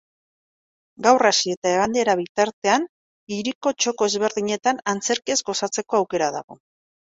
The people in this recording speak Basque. Gaur hasi eta igandera bitartean, hiriko txoko ezberdinetan antzerkiaz gozatzeko aukera dago.